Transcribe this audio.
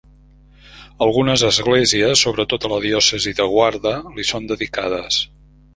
Algunes esglésies, sobretot a la diòcesi de Guarda, li són dedicades.